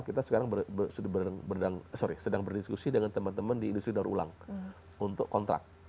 kita sekarang sedang berdiskusi dengan teman teman di industri daur ulang untuk kontrak